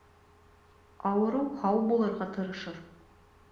Ауырыу һау булырға тырышыр.